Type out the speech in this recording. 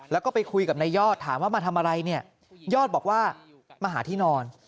แล้วก็ไปคุยกับนายยอดถามว่ามาทำอะไรเนี่ยยอดบอกว่ามาหาที่นอน